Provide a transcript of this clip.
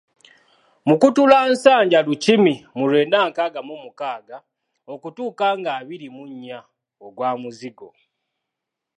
Mukutulansanja lukimi mu lwenda nkaaga mu mukaaga okutuuka ng'abiri mu nnya, ogwa Muzigo.